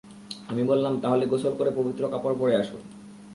আমি বললাম, তাহলে গোসল করে পবিত্র কাপড় পরে আসুন।